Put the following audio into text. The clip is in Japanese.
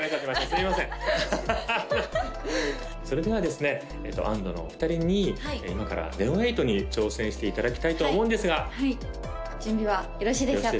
すいませんそれではですねｅｔ−アンド−のお二人に今からＮＥＯ８に挑戦していただきたいと思うんですが準備はよろしいでしょうか？